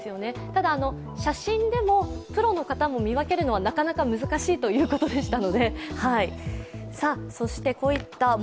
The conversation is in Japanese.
ただ、写真でもプロの方も見分けるのはなかなか難しいということでした。